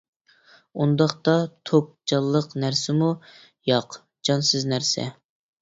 ئۇنداقتا توك جانلىق نەرسىمۇ؟ ياق، جانسىز نەرسە.